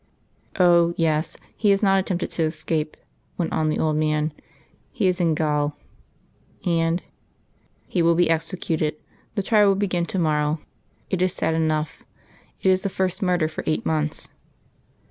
"Oh! yes; he has not attempted to escape," went on the old man. "He is in gaol." "And " "He will be executed. The trial will begin to morrow.... It is sad enough. It is the first murder for eight months."